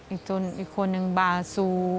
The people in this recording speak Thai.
อีกคนนึงบาซู